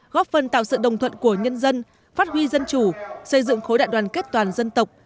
góp phần tạo sự đồng thuận của nhân dân phát huy dân chủ xây dựng khối đại đoàn kết toàn dân tộc